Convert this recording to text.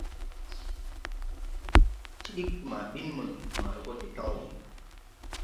Ti ɗiggi ma ɓin mono, wããre gɔ de tawge.